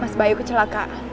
mas bayu kecelaka